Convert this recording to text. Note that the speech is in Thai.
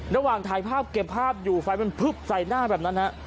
ระหว่างถ่ายภาพเก็บภาพอยู่ไฟมันพึบใส่หน้าแบบนั้นฮะ